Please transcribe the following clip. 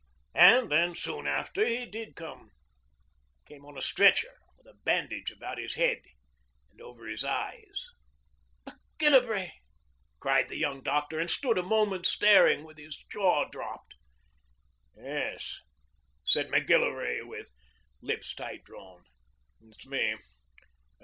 And then, soon after, he did come came on a stretcher with a bandage about his head and over his eyes. 'Macgillivray!' cried the young doctor, and stood a moment staring, with his jaw dropped. 'Yes,' said Macgillivray with lips tight drawn. 'It's me.